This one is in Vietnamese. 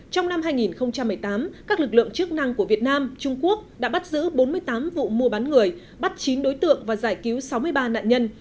trong năm hai nghìn một mươi tám các lực lượng chức năng của việt nam trung quốc đã bắt giữ bốn mươi tám vụ mua bán người bắt chín đối tượng và giải cứu sáu mươi ba nạn nhân